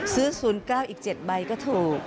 ซื้อ๐๙อีก๗ใบก็ถูก